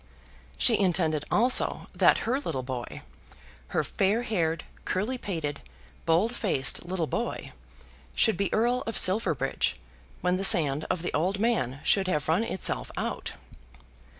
She intended also that her little boy, her fair haired, curly pated, bold faced little boy, should be Earl of Silverbridge when the sand of the old man should have run itself out.